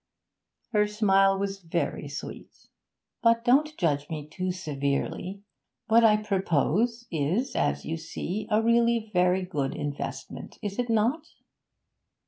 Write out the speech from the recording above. Her smile was very sweet. 'But don't judge me too severely. What I propose is, as you see, really a very good investment is it not?'